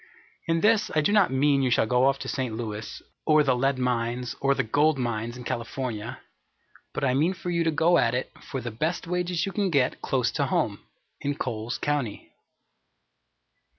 In this, I do not mean you shall go off to St. Louis, or the lead mines, or the gold mines, in California, but I mean for you to go at it for the best wages you can get close to home, in Coles County.